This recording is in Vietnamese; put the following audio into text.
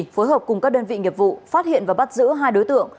phối hợp cùng các đơn vị nghiệp vụ phát hiện và bắt giữ hai đối tượng